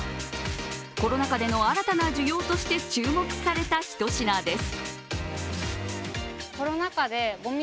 コロナ禍での新たな需要として注目されたひと品です。